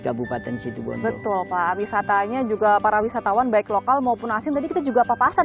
tempatan situ betul pak wisatanya juga para wisatawan baik lokal maupun asing juga papasan